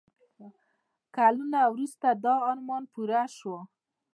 کلونه وروسته دا ارمان پوره شو.